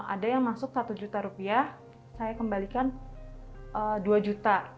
ada yang masuk satu juta rupiah saya kembalikan dua juta